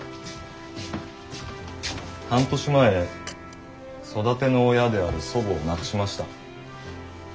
半年前育ての親である祖母を亡くしました。